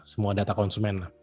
semua data konsumen